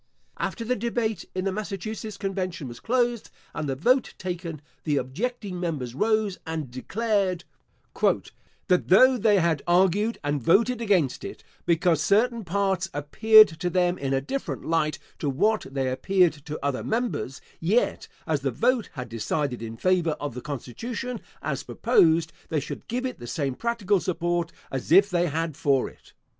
After the debate in the Massachusetts convention was closed, and the vote taken, the objecting members rose and declared, "That though they had argued and voted against it, because certain parts appeared to them in a different light to what they appeared to other members; yet, as the vote had decided in favour of the constitution as proposed, they should give it the same practical support as if they had for it."